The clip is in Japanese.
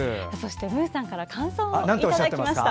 むうさんから感想をいただきました。